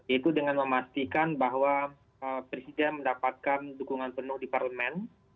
itu dengan memastikan bahwa presiden mendapatkan dukungan penuh di parlemen